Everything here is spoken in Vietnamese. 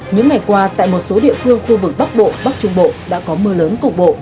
những ngày qua tại một số địa phương khu vực bắc bộ bắc trung bộ đã có mưa lớn cục bộ